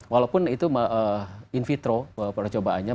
walaupun itu in vitro percobaannya